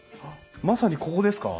まさにここですか？